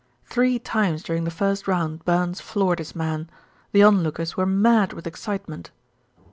Three times during the first round Burns floored his man. The onlookers were mad with excitement.